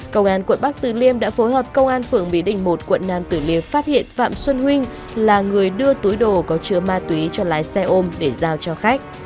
công an quận bắc từ liêm đã phối hợp công an phường bí đình một quận nam tử liêm phát hiện phạm xuân huynh là người đưa túi đồ có chứa ma túy cho lái xe ôm để giao cho khách